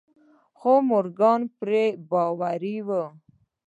خو مورګان پرې بې باوره و.